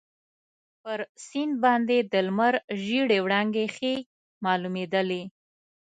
پر سیند باندي د لمر ژېړې وړانګې ښې معلومیدلې.